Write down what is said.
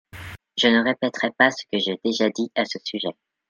Je ne répéterai pas ce que j’ai déjà dit à ce sujet.